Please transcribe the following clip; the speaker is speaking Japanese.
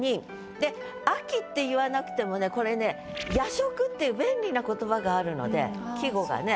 で「秋」って言わなくてもねこれね「夜食」っていう便利な言葉があるので季語がね。